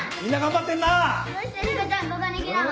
どうして彦ちゃんここに来たの？